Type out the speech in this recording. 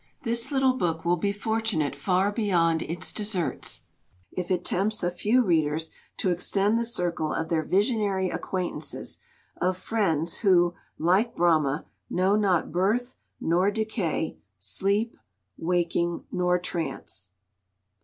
This little book will be fortunate far beyond its deserts if it tempts a few readers to extend the circle of their visionary acquaintances, of friends who, like Brahma, know not birth, nor decay, "sleep, waking, nor trance."